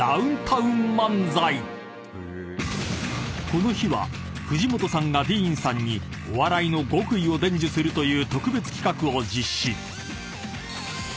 ［この日は藤本さんがディーンさんにお笑いの極意を伝授するという特別企画を実施］